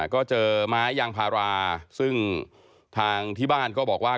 ก็เจอไม้ยางพาราซึ่งทางที่บ้านก็บอกว่า